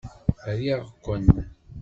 Riɣ-ken!